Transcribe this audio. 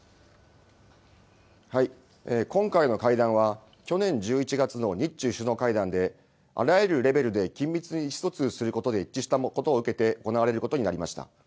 今回の会談は、去年１１月の日中首脳会談で、あらゆるレベルで緊密に意思疎通することで一致したのを受けて行われることになりました。